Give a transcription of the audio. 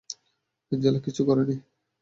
Angela কিচ্ছু করেনি!